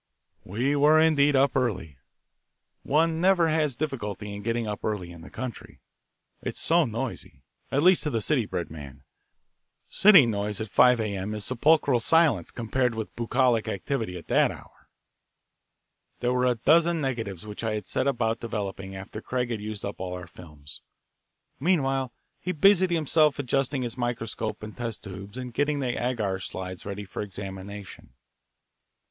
We were, indeed, up early. One never has difficulty in getting up early in the country: it is so noisy, at least to a city bred man. City noise at five A.M. is sepulchral silence compared with bucolic activity at that hour. There were a dozen negatives which I set about developing after Craig had used up all our films. Meanwhile, he busied himself adjusting his microscope and test tubes and getting the agar slides ready for examination.